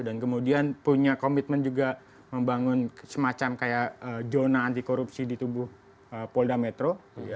dan kemudian punya komitmen juga membangun semacam kayak zona anti korupsi di tubuh polda metro